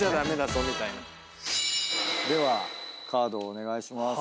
ではカードをお願いします。